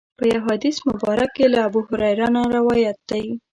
په یو حدیث مبارک کې له ابوهریره نه روایت دی.